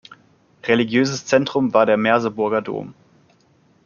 Religiöses Zentrum war der Merseburger Dom.